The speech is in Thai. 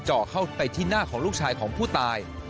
เจาะเข้าไปที่หน้าของลูกชายของผู้ตาย